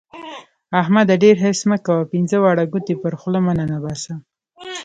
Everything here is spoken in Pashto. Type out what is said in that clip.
احمده! ډېر حرص مه کوه؛ پينځه واړه ګوتې پر خوله مه ننباسه.